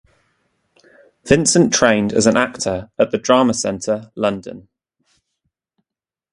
Vincent trained as an actor at the Drama Centre, London.